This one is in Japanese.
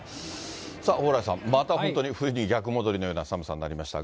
さあ、蓬莱さん、また本当に冬に逆戻りのような寒さになりましたが。